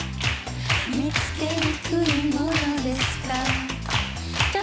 見つけにくいものですか